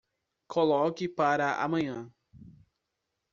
Coloque para amanhã.